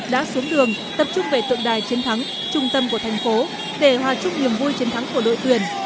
đã xuống đường tập trung về tượng đài chiến thắng trung tâm của thành phố để hòa chúc niềm vui chiến thắng của đội tuyển